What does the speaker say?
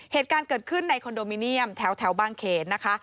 เหตุการณ์เกิดขึ้นในคอนโดมิเนียมแถวบางเขนนะคะ